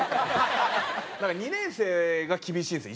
２年生が厳しいんですよ